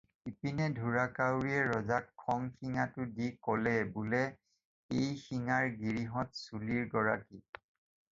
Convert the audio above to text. "ইপিনে ঢোঁৰাকাউৰীয়ে ৰজাক খংশিঙাটো দি ক'লে বোলে "এই শিঙাৰ গিৰিহঁত চুলিৰ গৰাকী।"